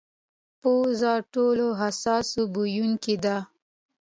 پزه ټولو حساس بویونکې ده.